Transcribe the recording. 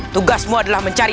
tugasmu adalah mencari